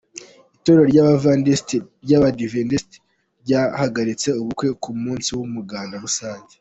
Itorero ry’abadivantisiti ryahagaritse ubukwe ku munsi w’umuganda rusange